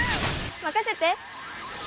任せて！